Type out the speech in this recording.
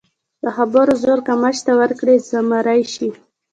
د خبرو زور که مچ ته ورکړې، زمری شي.